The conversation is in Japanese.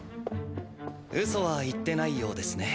うそは言ってないようですね。